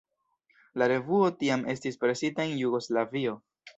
La revuo tiam estis presita en Jugoslavio.